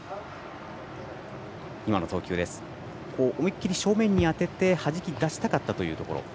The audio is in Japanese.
今の投球は思い切り正面に当ててはじき出したかったところ。